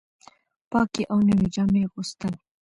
پاکې او نوې جامې اغوستل